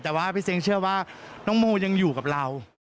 แต่ว่าพี่เซ้งเชื่อว่าน้องโมยังอยู่กับเรา